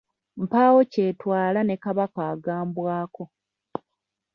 Mpaawo kyetwala ne Kabaka agambwako.